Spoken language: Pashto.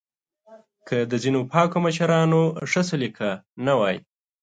که د ځینو پاکو مشرانو ښه سلیقه نه وای